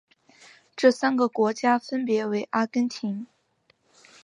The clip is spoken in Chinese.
这三个国家分别为阿根廷。